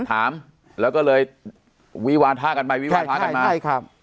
ถามแล้วก็เลยวิวาธากันไปวิวาธากันมา